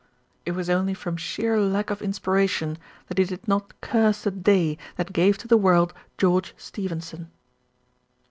It was only from sheer lack of inspiration that he did not curse the day that gave to the world George Stephenson.